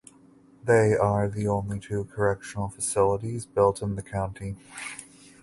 They are the only two correctional facilities built in the county.